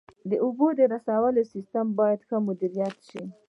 د اوبو رسولو سیستم باید ښه مدیریت شي.